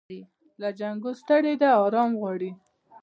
له جنګو ستړې ده آرام غواړي